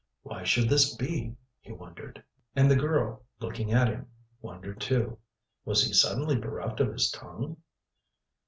Why should this be? He wondered. And the girl, looking at him, wondered, too was he suddenly bereft of his tongue?